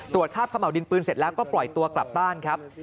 คาบขม่าวดินปืนเสร็จแล้วก็ปล่อยตัวกลับบ้านครับ